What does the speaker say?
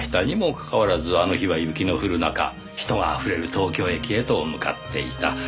にもかかわらずあの日は雪の降る中人があふれる東京駅へと向かっていた。